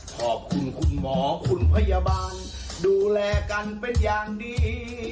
ขอบคุณคุณหมอคุณพยาบาลดูแลกันเป็นอย่างดี